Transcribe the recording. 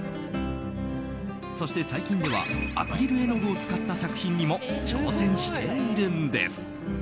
そして、最近ではアクリル絵の具を使った作品にも挑戦しているんです。